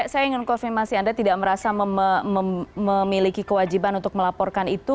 saya ingin konfirmasi anda tidak merasa memiliki kewajiban untuk melaporkan itu